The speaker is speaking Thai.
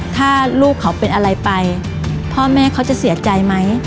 ถ้าลูกเขาเป็นอะไรไปพ่อแม่เขาจะเสียใจไหม